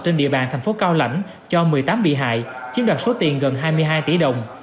trên địa bàn thành phố cao lãnh cho một mươi tám bị hại chiếm đoạt số tiền gần hai mươi hai tỷ đồng